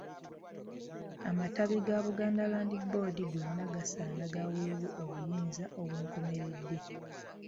Amatabi ga Buganda Land Board gonna gasaana gaweebwe obuyinza obw'enkomeredde.